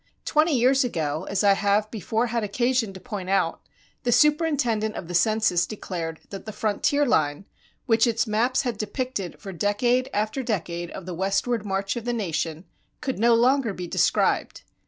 Twenty years ago, as I have before had occasion to point out, the Superintendent of the Census declared that the frontier line, which its maps had depicted for decade after decade of the westward march of the nation, could no longer be described.